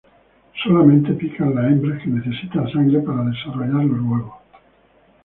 Solamente pican las hembras, que necesitan sangre para desarrollar los huevos.